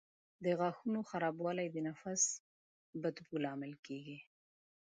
د غاښونو خرابوالی د نفس بد بوی لامل کېږي.